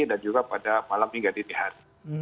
dan juga pada malam hingga dinihan